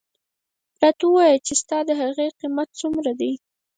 راته ووایه چې ستا د هغې قیمت څومره دی.